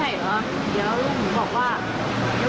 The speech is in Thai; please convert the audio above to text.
เดี๋ยวส่วนนั้นบอกว่า